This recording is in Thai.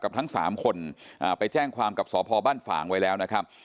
ทั้งสามคนไปแจ้งความกับสพบ้านฝ่างไว้แล้วนะครับ